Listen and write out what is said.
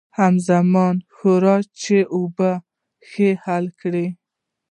همزمان یې وښورئ چې په اوبو کې ښه حل شي.